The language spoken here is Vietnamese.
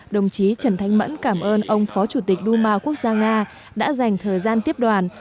đồng chí trần thanh mẫn cảm ơn ông phó chủ tịch đu ma quốc gia nga đã dành thời gian tiếp đoàn